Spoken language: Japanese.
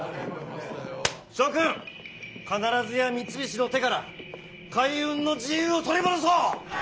諸君必ずや三菱の手から海運の自由を取り戻そう！